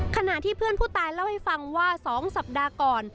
ขณะที่เพื่อนผู้ตายเล่าให้ฟังว่า๒สัปดาห์ก่อน